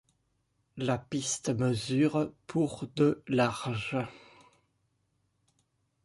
La piste mesure pour de large.